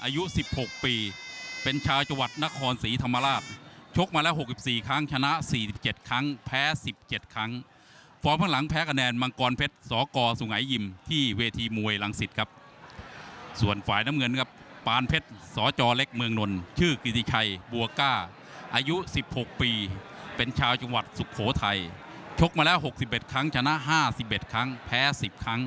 ที่เป็นชาวจังหวัดนครศรีธรรมราชชกมาละ๖๔ครั้งชนะ๔๗ครั้งแพ้๑๗ครั้งพ่อพังหลังแพ้กระแนนมังกรเพชรสกสุหายยิมที่เวทีมวยรังศิษย์ครับส่วนฝ่ายน้ำเงินกับปานเพชรสอเจาะเล็กเมืองนนท์ชื่อกิศิชัยบัวก้าอายุ๑๖ปีเป็นชาวจังหวัดสุโขทัยชกมาแล้วหกสิบเอ็ดครั้งชนะห้าส